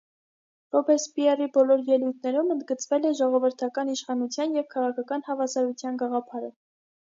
Ռոբեսպիեռի բոլոր ելույթներում ընդգծվել է ժողովրդական իշխանության և քաղաքական հավասարության գաղափարը։